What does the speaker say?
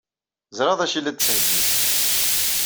Ẓriɣ d acu ay la d-ttheyyint.